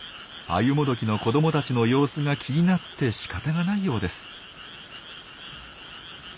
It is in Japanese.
アユモドキの子どもたちの様子が気になってしかたがないようです。